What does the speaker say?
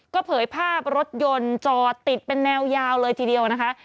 ก็เผยภาพรถยนต์จอดติดเป็นแนวยาวเลยทีเดียวนะคะ